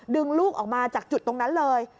ดึงลูกออกมาจากจุดตรงนั้นเลย